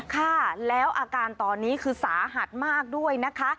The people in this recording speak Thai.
ค่ะแล้วอาการตอนนี้คือสาหัสมากด้วยนะคะ